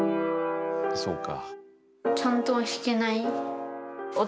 そうか。